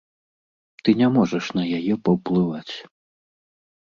Ты не можаш на яе паўплываць.